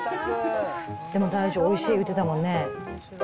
でも大将、おいしい言うてたもんね。